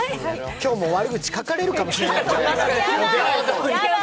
今日も悪口、書かれるかもしれないからね。